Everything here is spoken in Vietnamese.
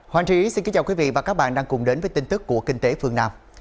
hoàng trí xin kính chào quý vị và các bạn đang cùng đến với tin tức của kinh tế phương nam